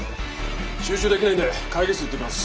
集中できないんで会議室行ってきます。